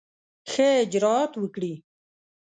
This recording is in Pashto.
ښه اجرآت وکړي.